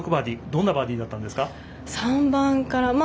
どんなバーディーだったんですか。